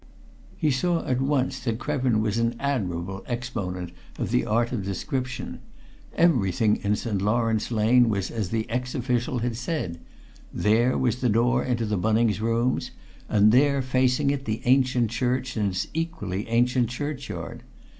He saw at once that Krevin was an admirable exponent of the art of description: everything in St. Lawrence Lane was as the ex official had said: there was the door into the Bunnings' rooms, and there, facing it, the ancient church and its equally ancient churchyard.